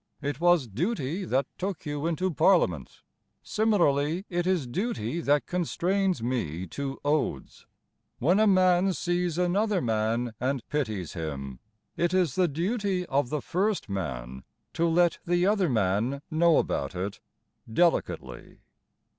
It was duty that took you into Parliament: Similarly it is duty that constrains me to Odes. When a man sees another man and pities him, It is the duty of the first man to let the other man know about it Delicately.